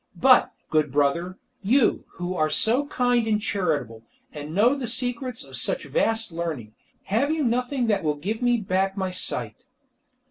But, good brother, you, who are so kind and charitable, and know the secrets of such vast learning, have you nothing that will give me back my sight?"